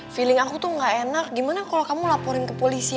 feeling aku tuh gak enak gimana kalau kamu laporin ke polisi